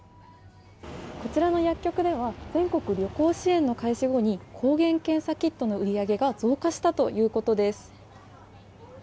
こちらの薬局では全国旅行支援の開始後に抗原検査キットの売り上げが増加したということです。